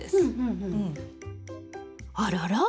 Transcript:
あらら？